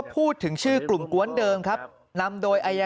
พวกนี้มาฝี